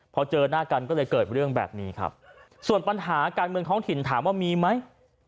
พอเจอหน้ากันก็เลยเกิดเรื่องแบบนี้ครับส่วนปัญหาการเมืองท้องถิ่นถามว่ามีไหม